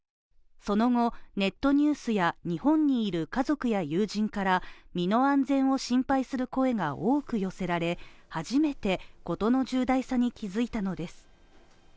その後、ネットニュースや日本にいる家族や友人から身の安全を心配する声が多く寄せられ、初めてことの重大さに気づいたのです。